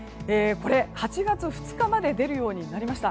８月２日まで出るようになりました。